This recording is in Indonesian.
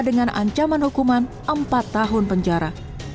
dengan ancaman hukuman empat tahun penjara